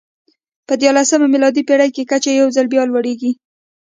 په دیارلسمه میلادي پېړۍ کې کچه یو ځل بیا لوړېږي.